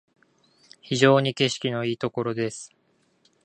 非常に景色のいいところです